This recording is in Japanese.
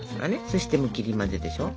そしてもう切り混ぜでしょう。